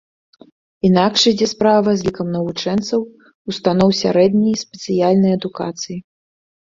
Інакш ідзе справа з лікам навучэнцаў устаноў сярэдняй спецыяльнай адукацыі.